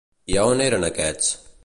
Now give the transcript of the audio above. I a on eren aquests?